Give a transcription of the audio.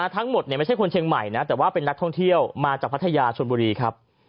ไม่ใช่คนเชียงใหม่นะแต่ว่าเป็นนักท่องเที่ยวมาจากพัทยาชนบุรีครับ